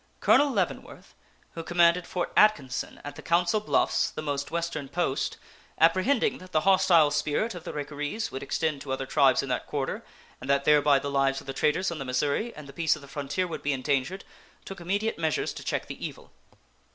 Colonel Leavenworth, who commanded Fort Atkinson, at the Council Bluffs, the most western post, apprehending that the hostile spirit of the Ricarees would extend to other tribes in that quarter, and that thereby the lives of the traders on the Missouri and the peace of the frontier would be endangered, took immediate measures to check the evil.